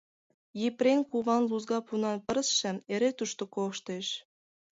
— Епрем куван лузга пунан пырысше эре тушто коштеш.